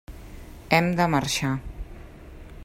Hem de marxar.